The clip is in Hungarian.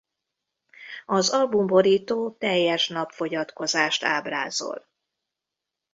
Az albumborító teljes napfogyatkozást ábrázol.